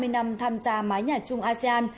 hai mươi năm tham gia mái nhà chung asean